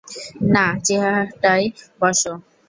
না, চেয়ারটায় বসো।